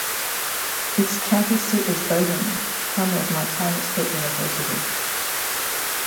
Its county seat is Bozeman, home of Montana State University.